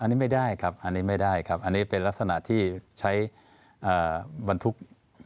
อันนี้ไม่ได้ครับอันนี้ไม่ได้ครับอันนี้เป็นลักษณะที่ใช้บรรทุก